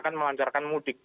akan melancarkan mudik